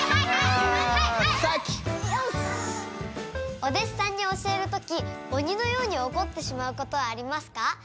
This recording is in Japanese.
お弟子さんに教える時鬼のように怒ってしまうことありますか？